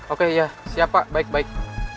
oke iya siap pak baik baik